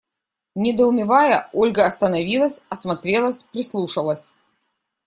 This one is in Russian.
Недоумевая, Ольга остановилась, осмотрелась, прислушалась.